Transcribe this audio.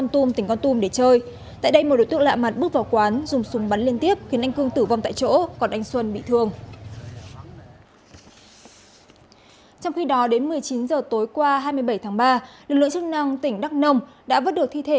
trong khi đó đến một mươi chín h tối qua hai mươi bảy tháng ba lực lượng chức năng tỉnh đắk nông đã vớt được thi thể